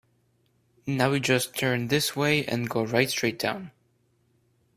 Now you just turn this way and go right straight down.